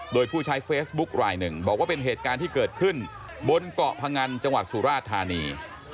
โดยผู้ใช้เฟซบุ๊กรายหนึ่งบอกว่าเป็นเหตุการณ์ที่เกิดขึ้นบนเกาะพงันจังหวัดสุราชธานี